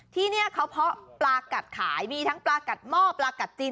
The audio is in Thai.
ที่นี่เขาเพาะปลากัดขายมีทั้งปลากัดหม้อปลากัดจีน